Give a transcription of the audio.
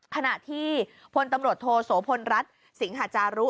ขณะที่พลตำรวจโทโสพลรัฐสิงหาจารุ